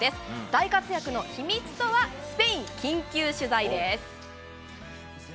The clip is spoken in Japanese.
大活躍の秘密とは、スペイン緊急取材です。